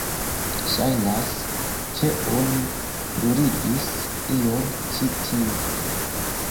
Ŝajnas ke oni bruligis ion ĉi tie.